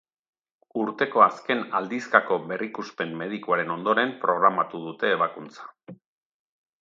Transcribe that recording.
Urteko azken aldizkako berrikuspen medikoaren ondoren programatu dute ebakuntza.